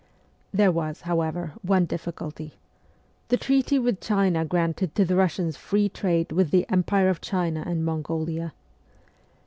There was, however, one difficulty. The treaty with China granted to the Kussians free trade with the 'Empire of China and Mongolia.'